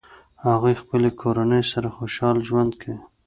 هغوی خپلې کورنۍ سره خوشحال ژوند کوي